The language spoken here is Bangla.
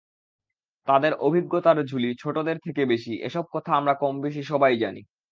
তাঁদের অভিজ্ঞতার ঝুলি ছোটদের থেকে বেশি—এসব কথা আমরা কম-বেশি সবাই জানি।